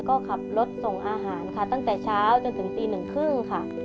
ก็ขับรถส่งอาหารค่ะตั้งแต่เช้าจนถึงตีหนึ่งครึ่งค่ะ